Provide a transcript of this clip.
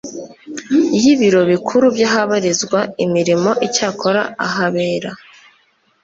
y ibiro bikuru by ahabarizwa imirimo Icyakora ahabera